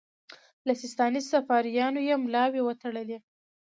لکه سیستاني صفاریانو یې ملاوې وتړلې.